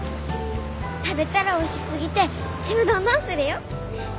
食べたらおいしすぎてちむどんどんするよ！